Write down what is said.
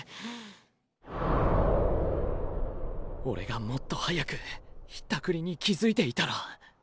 おれがもっと早くひったくりに気付いていたら。